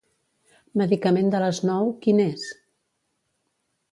Medicament de les nou, quin és?